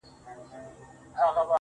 ستا دی که قند دی,